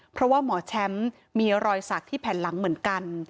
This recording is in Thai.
เพราะว่าหมอแชมป์มีรอยสักที่แผ่นหลังเหมือนกัน